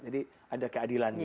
jadi ada keadilan gitu ya